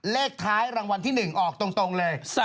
เลขท้ายรางวัลที่๑ออกตรงเลย